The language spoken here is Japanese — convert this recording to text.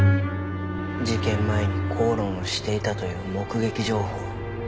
事件前に口論していたという目撃情報。